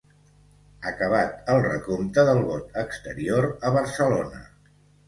Acabat el recompte del vot exterior a Barcelona.